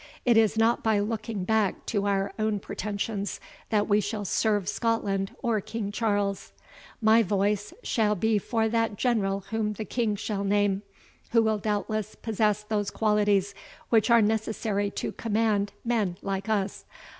It is not by looking back to our own pretensions that we shall serve Scotland or King Charles. My voice shall be for that general whom the King shall name, who will doubtless possess those qualities which are necessary to command men like us.